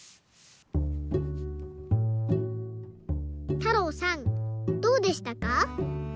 たろうさんどうでしたか？